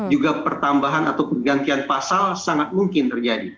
juga pertambahan atau pergantian pasal sangat mungkin terjadi